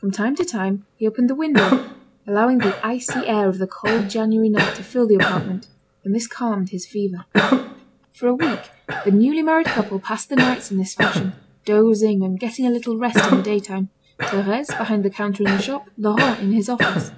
From time to time, he opened the window, allowing the icy air of the cold January night to fill the apartment, and this calmed his fever. For a week, the newly married couple passed the nights in this fashion, dozing and getting a little rest in the daytime, Thérèse behind the counter in the shop, Laurent in his office.